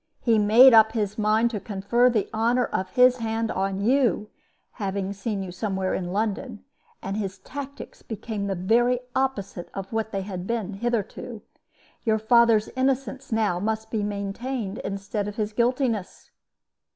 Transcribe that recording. He made up his mind to confer the honor of his hand on you, having seen you somewhere in London, and his tactics became the very opposite of what they had been hitherto. Your father's innocence now must be maintained instead of his guiltiness.